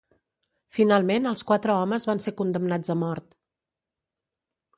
Finalment els quatre homes van ser condemnats a mort.